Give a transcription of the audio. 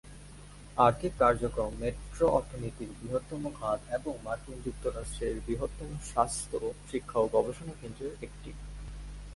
আর্থিক কার্যক্রম মেট্রো অর্থনীতির বৃহত্তম খাত এবং মার্কিন যুক্তরাষ্ট্রের বৃহত্তম স্বাস্থ্য শিক্ষা ও গবেষণা কেন্দ্রের একটি।